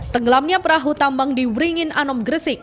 tenggelamnya perahu tambang di wringin anom gresik